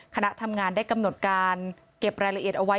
คณะทำงานได้กำหนดการเก็บรายละเอียดเอาไว้